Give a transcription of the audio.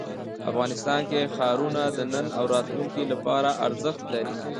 افغانستان کې ښارونه د نن او راتلونکي لپاره ارزښت لري.